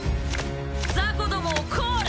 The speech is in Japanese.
ザコどもをコール！